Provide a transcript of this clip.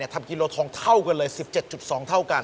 กิโลทองเท่ากันเลย๑๗๒เท่ากัน